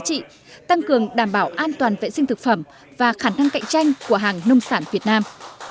trị tăng cường đảm bảo an toàn vệ sinh thực phẩm và khả năng cạnh tranh của hàng nông sản việt nam